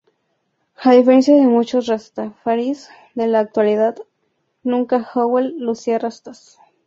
A diferencia de muchos rastafaris de la actualidad, nunca Howell lucía rastas.